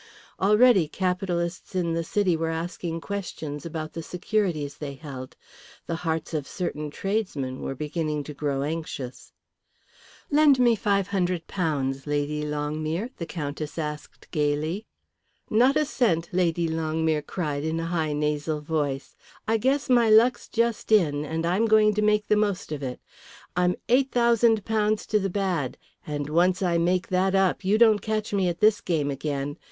Already capitalists in the city were asking questions about the securities they held, the hearts of certain tradesmen were beginning to grow anxious. "Lend me £500, Lady Longmere," the Countess asked gaily. "Not a cent," Lady Longmere cried in a high nasal voice. "I guess my luck's just in, and I'm going to make the most of it. I'm £8,000 to the bad, and once I make that up you don't catch me at this game again.